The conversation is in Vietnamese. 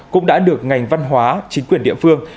cũng đã được ngành văn hóa chính quyền địa phương